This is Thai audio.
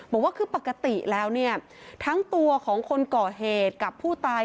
บอกว่าคือปกติแล้วเนี่ยทั้งตัวของคนก่อเหตุกับผู้ตาย